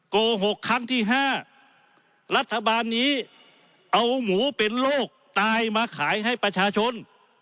โกหกครั้งที่๕รัฐบาลนี้เอาหมูเป็นโรคตายมาขายให้ประชาชน